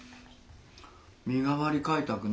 身代わり開拓ね。